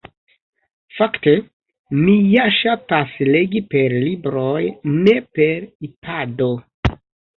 Fakte, mi ja ŝatas legi per libroj ne per ipado